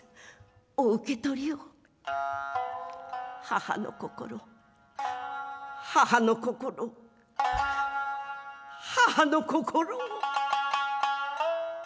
お受け取りを母の心母の心母の心を」。